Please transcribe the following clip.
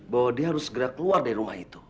bahwa dia harus segera keluar dari rumah itu